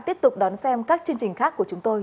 tiếp tục đón xem các chương trình khác của chúng tôi